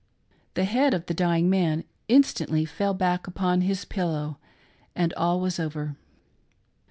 The head of the dying man instantly fell back upon his pillow, and all was over.